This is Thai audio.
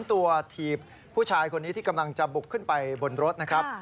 ตัวถีบผู้ชายคนนี้ที่กำลังจะบุกขึ้นไปบนรถนะครับ